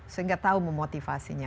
sehingga tahu memotivasinya